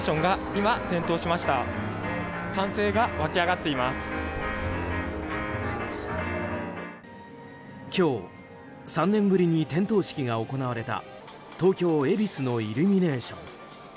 今日、３年ぶりに点灯式が行われた東京・恵比寿のイルミネーション。